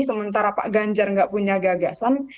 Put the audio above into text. sementara pak ganjar nggak punya gagasan